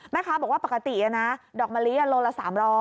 แม่ค้าบอกว่าปกตินะดอกมะลิโลละ๓๐๐